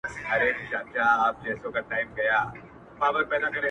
زه لا اوس روانېدمه د توپان استازی راغی-